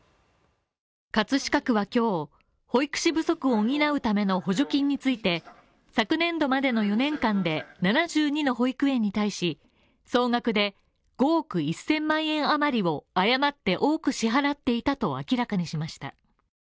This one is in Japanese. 葛飾区は今日、保育士不足を補うための補助金について、昨年度までの４年間で７２の保育園に対し、総額で５億１０００万円余りを誤って多く支払っていたと明らかにしました。